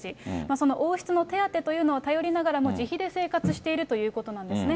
その王室の手当というのを頼りながらも自費で生活しているということなんですね。